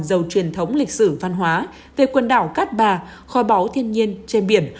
giàu truyền thống lịch sử văn hóa về quần đảo cát bà kho báu thiên nhiên trên biển